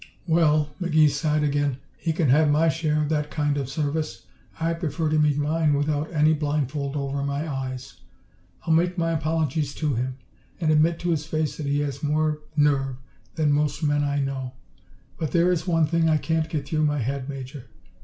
"Well," McGee sighed again, "he can have my share of that kind of service. I prefer to meet mine without any blindfold over my eyes. I'll make my apologies to him, and admit to his face that he has more nerve than most men I know. But there is one thing I can't get through my head, Major.